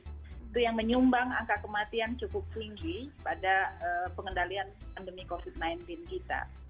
itu yang menyumbang angka kematian cukup tinggi pada pengendalian pandemi covid sembilan belas kita